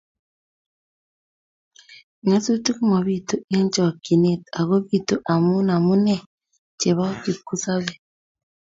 Nyasutik komobitu eng chokchinet ago bitu amu amune chebo kipkosobei